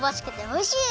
おいしい！